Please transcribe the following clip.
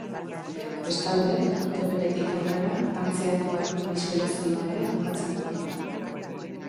Bestalde, urte beretik aurrera Frantziako errugbi selekzioan ere jokatzen du.